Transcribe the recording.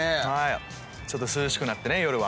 ちょっと涼しくなってね夜は。